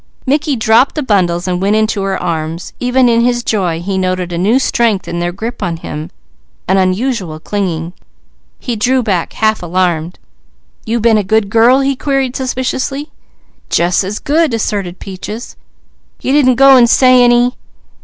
Mickey dropped the bundles and went into her arms; even in his joy he noted a new strength in her grip on him, an unusual clinging. He drew back half alarmed. "You been a good girl?" he queried suspiciously. "Jus' as good!" asserted Peaches. "You didn't go and say any